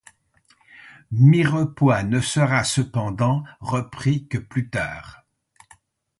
Mirepoix ne sera cependant repris que plus tard.